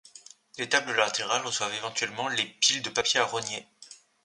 Des tables latérales reçoivent éventuellement les piles de papier à rogner.